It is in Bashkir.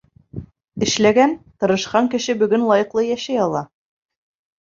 Эшләгән, тырышҡан кеше бөгөн лайыҡлы йәшәй ала.